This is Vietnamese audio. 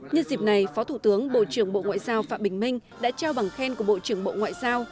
nhân dịp này phó thủ tướng bộ trưởng bộ ngoại giao phạm bình minh đã trao bằng khen của bộ trưởng bộ ngoại giao